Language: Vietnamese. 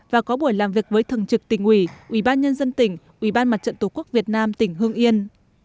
và có buổi làm việc với thần trực tỉnh ủy ubnd tỉnh ubnd tổ quốc việt nam tỉnh hương yên